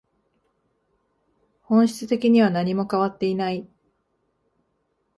本質的には何も変わっていない